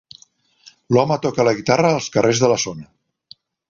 L'home toca la guitarra als carrers de la zona.